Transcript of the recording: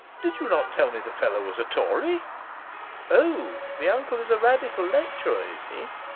Did you not tell me the fellow was a Tory? O, the uncle is a Radical lecturer, is he?